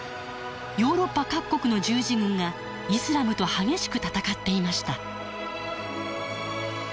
ヨーロッパ各国の十字軍がイスラムと激しく戦っていました。